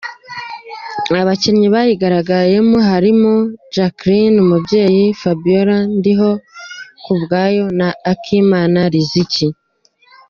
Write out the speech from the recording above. Abakinnyi bayigaragaramo harimo Jacqueline Umubyeyi, Fabiola Ndihokubwayo na Akimana Rizik.